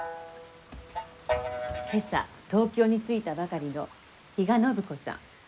今朝東京に着いたばかりの比嘉暢子さん。